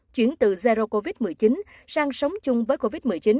chuyển từ zero covid một mươi chín sang sống chung với covid một mươi chín